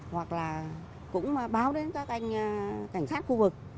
hoặc là cũng báo đến các anh cảnh sát khu vực